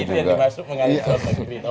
kalau kayak gini yang dimaksud mengalirnya uang